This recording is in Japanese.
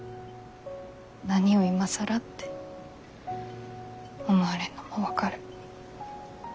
何を今更って思われんのも分かる。